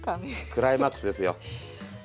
クライマックスですよ。